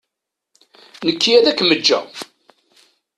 Nekki ad akem-ǧǧeɣ.